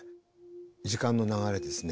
時間の流れですね。